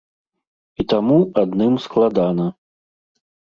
І таму адным складана.